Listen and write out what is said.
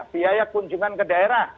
biaya kunjungan ke daerah